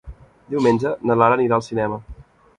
Diumenge na Lara anirà al cinema.